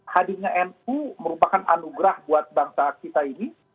hadirnya nu merupakan anugerah buat bangsa kita ini